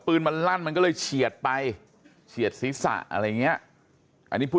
ปืนมันลั่นมันก็เลยเฉียดไปเฉียดศีรษะอะไรอย่างเงี้ยอันนี้ผู้